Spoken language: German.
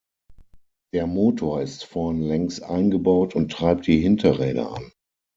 Der Motor ist vorn längs eingebaut und treibt die Hinterräder an.